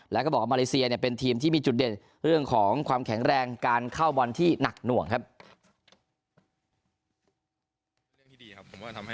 แล้วก็บอกว่ามาเลเซียเนี่ยเป็นทีมที่มีจุดเด่นเรื่องของความแข็งแรงการเข้าบอลที่หนักหน่วงครับ